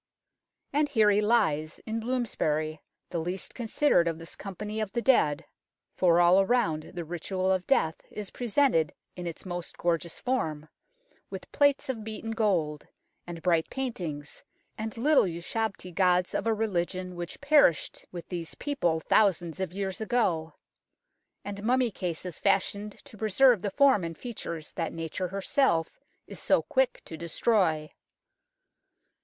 And here he lies, in Bloomsbury, the least considered of this company of the dead ; for all around the ritual of death is presented in its most gorgeous form, with plates of beaten gold, and bright paintings, and little ushabti gods of a religion which perished with these people thousands of years ago, and mummy cases fashioned to preserve the form and features that Nature herself is so quick to destroy.